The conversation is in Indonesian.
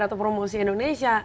atau promosi indonesia